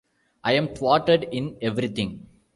I am thwarted in everything.